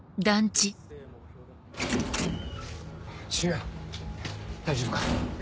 大丈夫か？